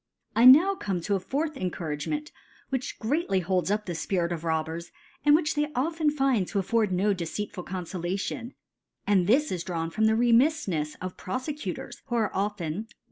J' Now come to a fourth Encouragement , which greatly holds. up the Spirits of obbers, and which they often find to afford no deceitful Confolation ; and this is^ drawn from the Remiflhels of Profecutors, who are often, 1.